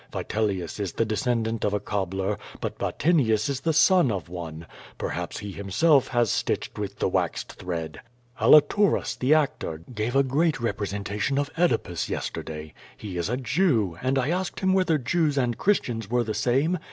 Vitelius is the descendant of a cob bler, but Vatinius is the son of one. Perhaps he himself has stitched with the waxed thread! Alituras, the actor, gave a great representation of Oedipus yesterday. He is a Jew, and I asked him whether Jews and Christians were the same?